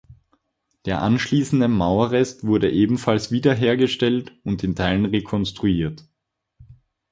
Der anschließende Mauerrest wurde ebenfalls wiederhergestellt und in Teilen rekonstruiert.